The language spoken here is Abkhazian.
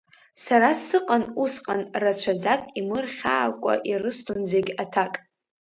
Сара сыҟан усҟан, рацәаӡак имырхьаакәа ирысҭон зегь аҭак.